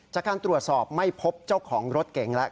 จากการตรวจสอบไม่พบเจ้าของรถเก๋งแล้ว